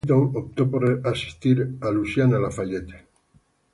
Payton optó por asistir a Louisiana-Lafayette.